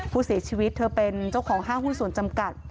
ผู้เสียชีวิตเธอเป็นเจ้าของห้างหุ้นส่วนจำกัด